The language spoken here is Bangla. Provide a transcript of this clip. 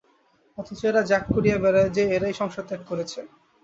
অথচ এরা জাঁক করিয়া বেড়ায় যে এরাই সংসার ত্যাগ করিয়াছে।